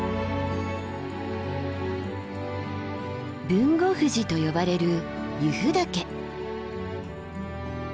豊後富士と呼ばれる由布岳。